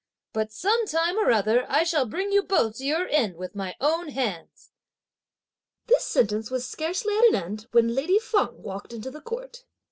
But some time or other I shall bring you both to your end with my own hands!" This sentence was scarcely at an end, when lady Feng walked into the court.